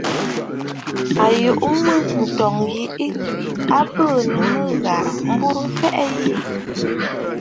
À yùʼù mə̂, ǹtɔ̂ŋ yi ɨ lwî, a bɨɨ̀nə̀ mə ghàrə̀, m̀burə mfɛʼɛ ghɛ̀ɛ̀ ƴi.